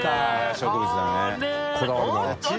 植物だね。